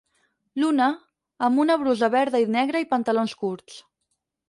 L'una, amb una brusa verda i negra i pantalons curts.